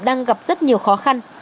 đang gặp rất nhiều khó khăn